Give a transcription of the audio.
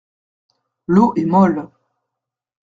L’eau est molle.